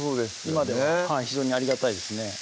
今では非常にありがたいですね